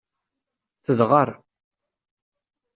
Tedɣer.